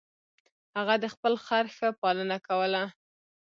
هغه د خپل خر ښه پالنه کوله.